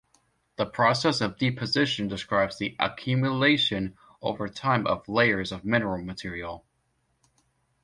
The process of deposition describes the accumulation, over time, of layers of mineral material.